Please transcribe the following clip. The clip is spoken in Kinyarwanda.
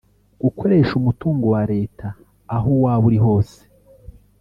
gukoresha umutungo wa Leta aho waba uri hose